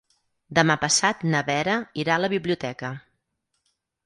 Demà passat na Vera irà a la biblioteca.